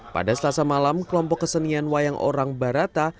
pada selasa malam kelompok kesenian wayang orang barata